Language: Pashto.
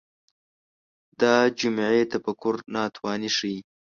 دا جمعي تفکر ناتواني ښيي